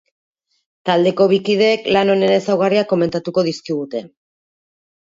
Taldeko bi kideek lan honen ezaugarriak komentatuko dizkigute.